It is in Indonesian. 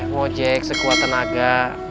mojek sekuat tenaga